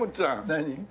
何？